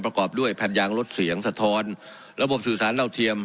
ประกอบด้วยแผ่นยางลดเสียงสะท้อนระบบสื่อสารเราเทียม